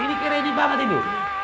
ini kayak ready banget ini